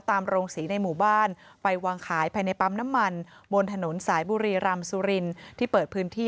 โรงศรีในหมู่บ้านไปวางขายภายในปั๊มน้ำมันบนถนนสายบุรีรำสุรินที่เปิดพื้นที่